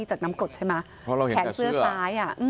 จากน้ำกรดใช่ไหมแขนเสื้อซ้าย